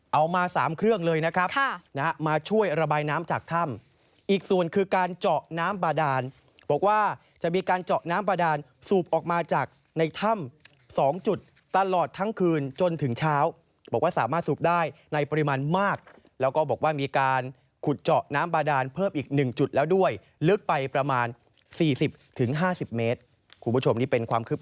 เอามา๓เครื่องเลยนะครับมาช่วยระบายน้ำจากถ้ำอีกส่วนคือการเจาะน้ำบาดานบอกว่าจะมีการเจาะน้ำบาดานสูบออกมาจากในถ้ำ๒จุดตลอดทั้งคืนจนถึงเช้าบอกว่าสามารถสูบได้ในปริมาณมากแล้วก็บอกว่ามีการขุดเจาะน้ำบาดานเพิ่มอีก๑จุดแล้วด้วยลึกไปประมาณ๔๐๕๐เมตรคุณผู้ชมนี่เป็นความคืบหน้า